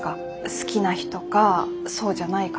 好きな人かそうじゃないかで。